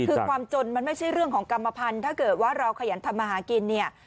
คือความจนมันไม่ใช่เรื่องของกรรมพันธุ์ถ้าเกิดว่าเราขยันทำมาหากินเนี่ย